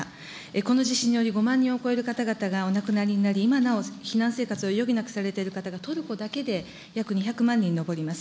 この地震により、５万人を超える方々がお亡くなりになって、今なお、避難生活を余儀なくされている方が、トルコだけで約２００万人に上ります。